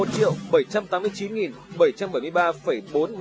một triệu bảy trăm tám mươi chín bảy trăm bảy mươi ba bốn m hai